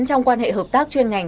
trong quan hệ hợp tác chuyên ngành